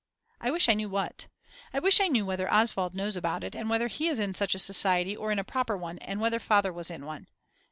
I wish I knew what. I wish I knew whether Oswald knows about it, and whether he is in such a society or in a proper one and whether Father was in one.